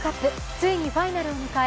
ついにファイナルを迎え